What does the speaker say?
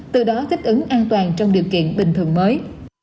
từ đó thích ứng an toàn trong điều kiện bình thường mới